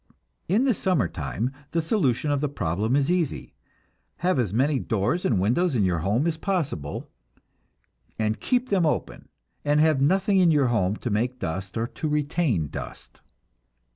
In the summer time the solution of the problem is easy. Have as many doors and windows in your home as possible, and keep them open, and have nothing in your home to make dust or to retain dust.